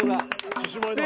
獅子舞だ！